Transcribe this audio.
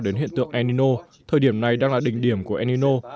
nguyên nhân liên quan đến hiện tượng enino thời điểm này đang là đỉnh điểm của enino